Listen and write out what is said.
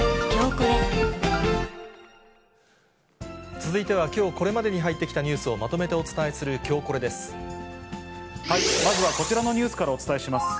続いては、きょうこれまでに入ってきたニュースをまとめてお伝えするきょうまずはこちらのニュースからお伝えします。